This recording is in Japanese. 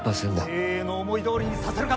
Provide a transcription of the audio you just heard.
米英の思いどおりにさせるか。